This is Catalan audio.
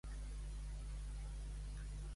Amb sabates de feltre.